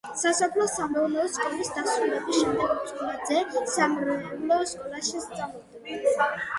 სასოფლო-სამეურნეო სკოლის დასრულების შემდეგ წულაძე სამრევლო სკოლაში სწავლობდა.